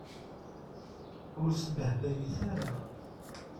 Ur sbehbayet ara.